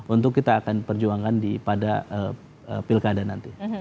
untuk kita akan perjuangkan pada pilkada nanti